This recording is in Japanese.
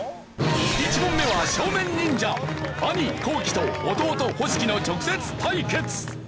１問目は少年忍者兄皇輝と弟星輝の直接対決。